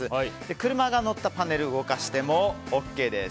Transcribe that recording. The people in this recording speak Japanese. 車が乗ったパネルを動かしてもＯＫです。